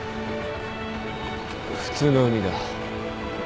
普通の海だ。